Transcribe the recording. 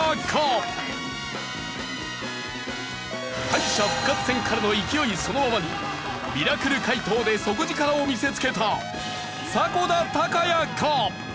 敗者復活戦からの勢いそのままにミラクル解答で底力を見せつけた迫田孝也か？